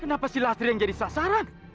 kenapa si lastri yang jadi sasaran